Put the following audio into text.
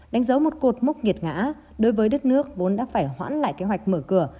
đánh dấu một cột mốc nghiệt ngã đối với đất nước vốn đã phải hoãn lại kế hoạch mở cửa